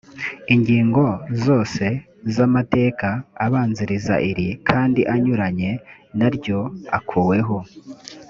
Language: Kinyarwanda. ingingo zose z amateka abanziriza iri kandi anyuranye naryo akuweho.